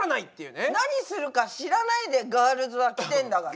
何するか知らないでガールズは来てんだから。